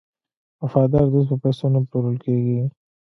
وفادار دوست په پیسو نه پلورل کیږي.